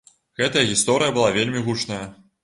Гэтая гісторыя была вельмі гучная.